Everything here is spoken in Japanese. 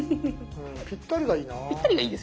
ぴったりがいいな。